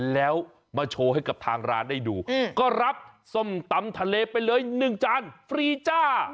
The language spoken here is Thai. แล้วมาโชว์ให้กับทางร้านได้ดูก็รับส้มตำทะเลไปเลย๑จานฟรีจ้า